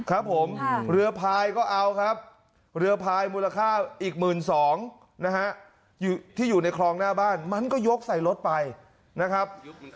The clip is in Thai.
ครับผมเรือพายก็เอาครับเรือพายมูลค่าอีก๑๒๐๐นะฮะที่อยู่ในคลองหน้าบ้านมันก็ยกใส่รถไปนะครับ